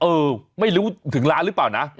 เออไม่รู้ถึงร้านหรือเปล่านะ